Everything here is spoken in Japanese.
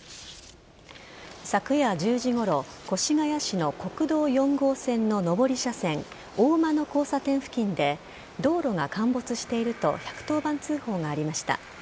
昨夜１０時ごろ越谷市の国道４号線の上り車線大間野交差点付近で道路が陥没していると１１０番通報がありました。